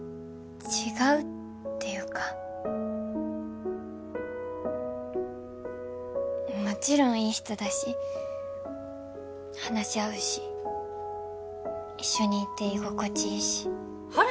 違うっていうかもちろんいい人だし話合うし一緒にいて居心地いいしほら